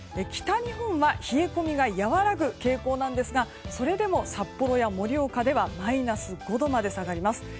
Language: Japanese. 北日本は冷え込みが和らぐ傾向ですがそれでも札幌や盛岡ではマイナス５度まで下がります。